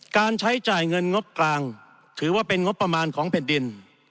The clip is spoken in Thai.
การใช้จ่ายเงินงบกลางถือว่าเป็นงบประมาณของแผ่นดิน